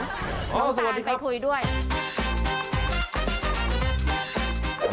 น้องตานไปคุยด้วยสวัสดีครับโอ้โฮสวัสดีครับ